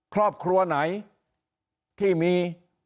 ครอบครัวไหนที่มี